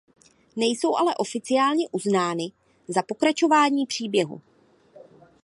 Nejsou ale oficiálně uznány za pokračování příběhu.